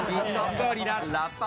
ゴリラ。